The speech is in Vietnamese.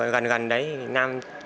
gần gần đấy nam